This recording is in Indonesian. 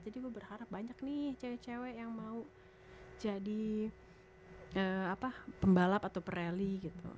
jadi gue berharap banyak nih cewek cewek yang mau jadi pembalap atau perelly gitu